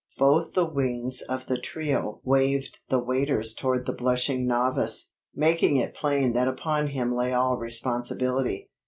Both the wings of the trio waved the waiters toward the blushing novice, making it plain that upon him lay all responsibility.